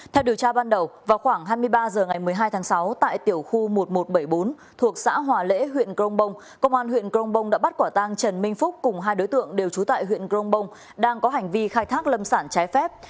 theo điều tra ban đầu vào khoảng hai mươi ba h ngày một mươi hai tháng sáu tại tiểu khu một nghìn một trăm bảy mươi bốn thuộc xã hòa lễ huyện grong bông công an huyện crong bông đã bắt quả tang trần minh phúc cùng hai đối tượng đều trú tại huyện grong bông đang có hành vi khai thác lâm sản trái phép